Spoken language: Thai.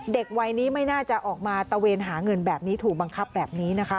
เด็กวัยนี้ไม่น่าจะออกมาตะเวนหาเงินแบบนี้ถูกบังคับแบบนี้นะคะ